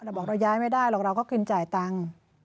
เราบอกเราย้ายไม่ได้หรอกเราก็กินจ่ายตังค์